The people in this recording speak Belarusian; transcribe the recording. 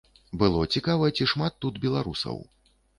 Было цікава, ці шмат тут беларусаў.